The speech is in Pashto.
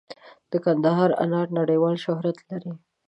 د کندهار انار نړیوال شهرت لري.